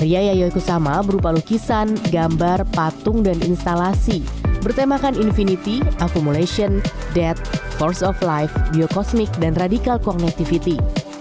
yayoi kusama berupa lukisan gambar patung dan instalasi bertemakan infinity affumulation death force of life biokosmik dan radikal kognitiviti